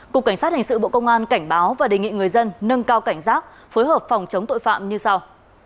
cục cảnh sát hình sự bộ công an cảnh báo và đề nghị người dân nâng cao cảnh giác phối hợp phòng chống tội phạm như sau